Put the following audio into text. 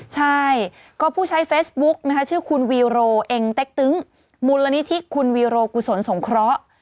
ใช่ก็ผู้ใช้เฟซบุ๊กนะคะชื่อคุณวีโรเอ็งเต็กตึ้งมูลนิธิคุณวีโรกุศลสงเคราะห์